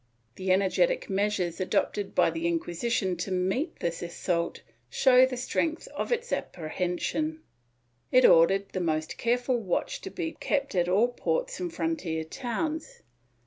The energetic measures adopted by the Inquisition to meet this assault show the strength of its appre hension. It ordered the most careful watch to be kept at all ports and frontier towns.